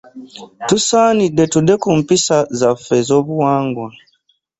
Tusaanidde tudde ku mpisa zaffe ez'obuwangwa.